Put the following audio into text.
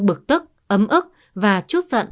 bực tức ấm ức và chút giận